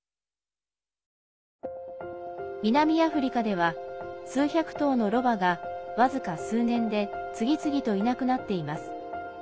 南アフリカでは数百頭のロバが僅か数年で次々といなくなっています。